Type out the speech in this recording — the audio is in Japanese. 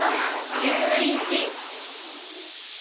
シューイチ。